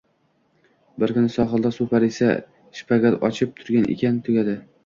Bir kuni sohilda suv parisi shpagat ochib turgan ekan, tugadi...